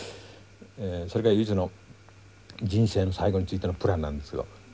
それが唯一の人生の最期についてのプランなんですけど。